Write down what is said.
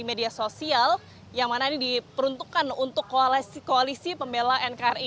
media sosial yang mana ini diperuntukkan untuk koalisi pembela nkri